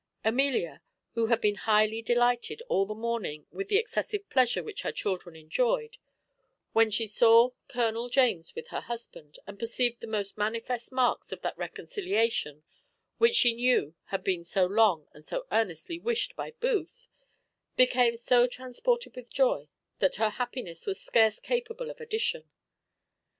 Amelia, who had been highly delighted all the morning with the excessive pleasure which her children enjoyed, when she saw Colonel James with her husband, and perceived the most manifest marks of that reconciliation which she knew had been so long and so earnestly wished by Booth, became so transported with joy, that her happiness was scarce capable of addition.